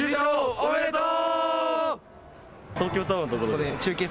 おめでとう。